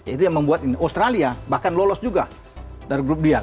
itu yang membuat australia bahkan lolos juga dari grup dia